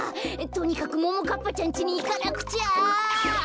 とにかくももかっぱちゃんちにいかなくちゃ。